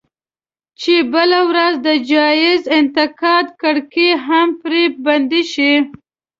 چې بله ورځ د جايز انتقاد کړکۍ هم پرې بنده شي.